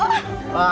iya toh iya toh